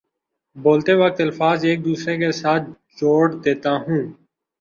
بولتے وقت الفاظ ایک دوسرے کے ساتھ جوڑ دیتا ہوں